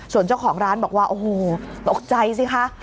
ส่วนเจ้าของร้านบอกว่าโอ้โหตกใจสิคะ